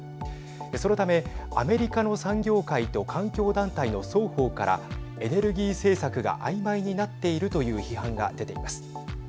そのためアメリカの産業界と環境団体の双方からエネルギー政策があいまいになっているという批判が出ています。